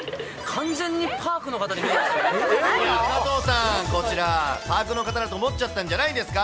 完全にパークの方に見えます加藤さん、こちら、パークの方だと思っちゃったんじゃないですか。